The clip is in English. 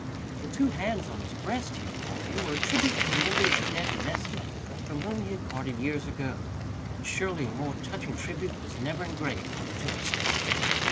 The two bands on his breast, he informed me, were a tribute to the memory of a dead messmate from whom he had parted years ago and surely a more touching tribute was never engraved on a tombstone.